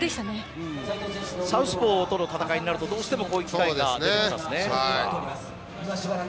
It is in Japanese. サウスポーとの戦いになるとどうしてもこういうことがありますね。